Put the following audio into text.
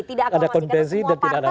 tidak ada kontensi dan tidak ada tampak